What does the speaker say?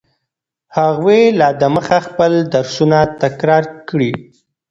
هغوی لا دمخه خپل درسونه تکرار کړي.